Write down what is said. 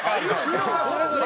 色はそれぞれ？